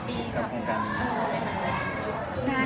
๗ปีครับ